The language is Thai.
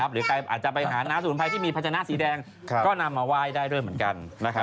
หรือใครอาจจะไปหาน้ำสมุนไพรที่มีพัชนะสีแดงก็นำมาไหว้ได้ด้วยเหมือนกัน